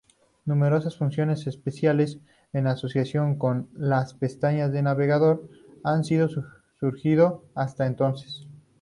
Numerosas funciones especiales, en asociación con las pestañas del navegador, han surgido desde entonces.